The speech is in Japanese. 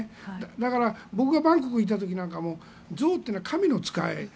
だから、僕がバンコクにいた時も象っていうのは神の使い。